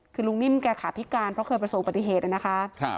คือลุงนิ่มแกขาพิการเพราะเคยประสบปฏิเหตุนะคะ